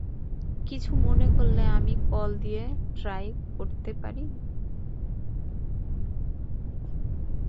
কিছু মনে করলে আমি কল দিয়ে ট্রাই করতে পারি?